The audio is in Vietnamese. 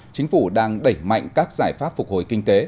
chính phủ đang đẩy mạnh các giải pháp phục hồi kinh tế